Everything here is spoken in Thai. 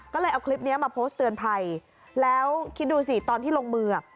ก็เลยเอาคลิปนี้มาโพสต์เตือนภัยแล้วคิดดูสิตอนที่ลงมืออ่ะ